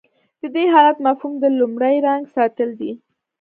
د دې حالت مفهوم د لومړي رنګ ساتل دي.